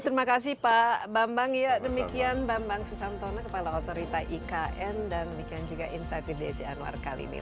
terima kasih pak bambang ya demikian bambang susantono kepala otorita ikn dan demikian juga insight with desi anwar kali ini